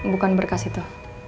bukan berkas itu